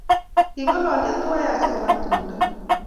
Kingalalyo tuwai asikoba tumdo